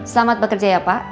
selamat bekerja ya pak